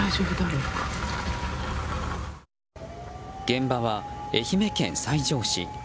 現場は愛媛県西条市。